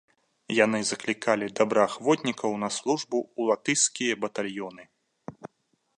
Яны заклікалі добраахвотнікаў на службу ў латышскія батальёны.